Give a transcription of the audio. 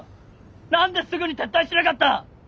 何ですぐに撤退しなかった！